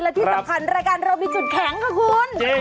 และที่สำคัญรายการเรามีจุดแข็งค่ะคุณ